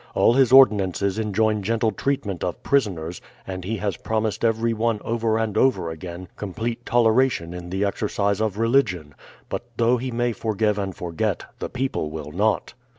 All his ordinances enjoin gentle treatment of prisoners, and he has promised every one over and over again complete toleration in the exercise of religion; but though he may forgive and forget, the people will not.